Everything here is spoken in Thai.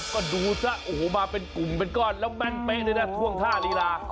ก็ดูซะโอ้โหมาเป็นกลุ่มเป็นก้อนแล้วแม่นเป๊ะเลยนะท่วงท่าลีลา